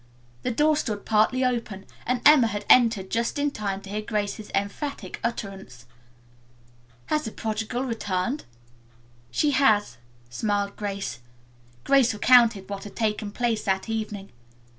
The door stood partly open and Emma had entered just in time to hear Grace's emphatic utterance. "Has the prodigal returned?" "She has," smiled Grace. Grace recounted what had taken place that evening.